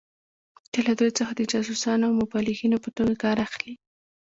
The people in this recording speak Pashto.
چې له دوی څخه د جاسوسانو او مبلغینو په توګه کار اخلي.